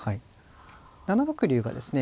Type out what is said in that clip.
７六竜がですね